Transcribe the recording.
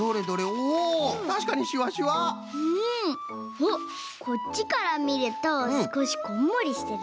あっこっちからみるとすこしこんもりしてるね。